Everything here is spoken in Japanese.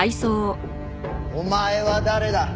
お前は誰だ？